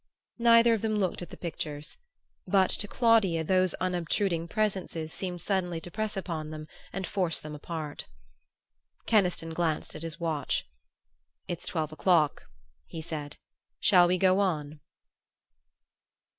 Neither of them looked at the pictures; but to Claudia those unobtruding presences seemed suddenly to press upon them and force them apart. Keniston glanced at his watch. "It's twelve o'clock," he said. "Shall we go on?"